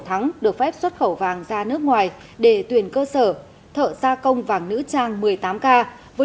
thắng được phép xuất khẩu vàng ra nước ngoài để tuyển cơ sở thợ gia công vàng nữ trang một mươi tám k với